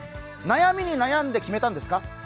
悩みに悩んで決めたんですか？